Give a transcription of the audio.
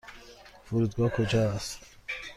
فرودگاه کجا است؟